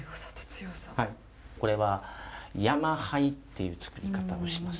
これは山廃っていう造り方をします。